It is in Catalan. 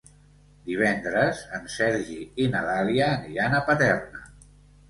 Divendres en Sergi i na Dàlia aniran a Paterna.